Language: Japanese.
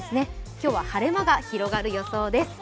今日は晴れ間が広がる予想です。